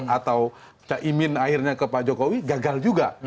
atau cak imin akhirnya ke pak jokowi gagal juga